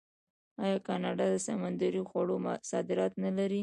آیا کاناډا د سمندري خوړو صادرات نلري؟